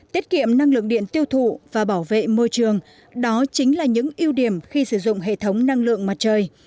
tiết kiệm năng lượng điện tiêu thụ và bảo vệ môi trường đó chính là những ưu điểm khi sử dụng hệ thống năng lượng mặt trời